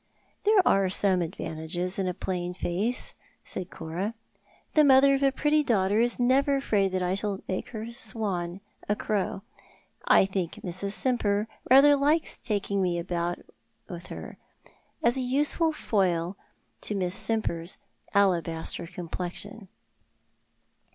"There are some advantages in a plain face," said Cora. "The mother of a pretty daughter is never afraid that I shall make her swan a crow. I think Mrs. Simper rather likes taking me about with her, as a useful foil to Miss Simper's alabaster complexion."